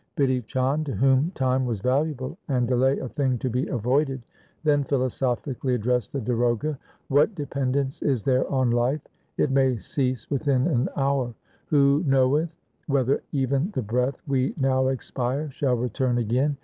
Bidhi Chand, to whom time was valuable and delay a thing to be avoided, then philosophically addressed the darogha, ' What dependence is there on life ? It may cease within an hour. Who knoweth whether even the breath we now expire shall return again